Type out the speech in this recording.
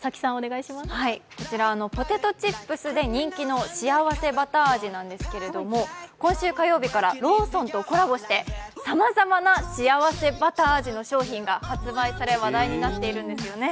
こちら、ポテトチップスで人気のしあわせバタ味なんですけど、今週火曜日からローソンとコラボしてさまざまなしあわせバタ味の商品が発売され話題になってるんですよね。